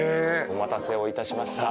お待たせをいたしました。